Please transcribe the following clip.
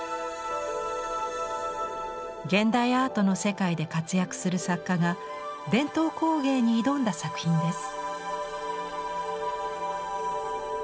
現代アートの世界で活躍する作家が伝統工芸に挑んだ作品です。